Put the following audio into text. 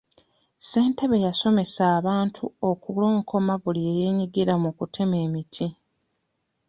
Ssentebe yasomesa abantu okulonkoma buli eyeenyigira mu kutema emiti.